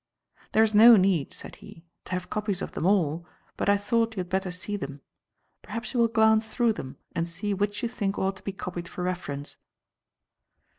"There is no need," said he, "to have copies of them all, but I thought you had better see them. Perhaps you will glance through them and see which you think ought to be copied for reference."